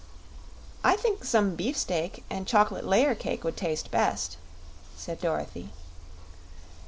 "I think some beefsteak and chocolate layer cake would taste best," said Dorothy.